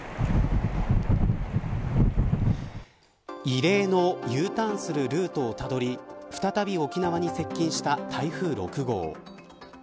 異例のＵターンするルートをたどり再び沖縄に接近した台風６号。